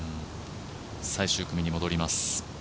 最終組に戻ります。